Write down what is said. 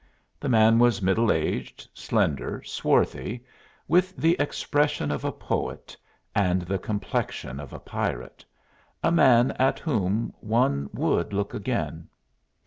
The man was middle aged, slender, swarthy, with the expression of a poet and the complexion of a pirate a man at whom one would look again.